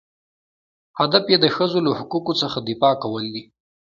هدف یې د ښځو له حقوقو څخه دفاع کول دي.